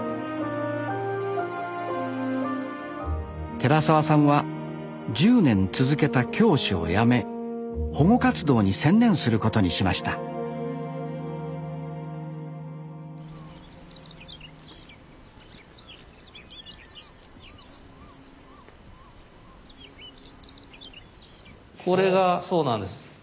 寺沢さんは１０年続けた教師を辞め保護活動に専念することにしましたこれがそうなんです。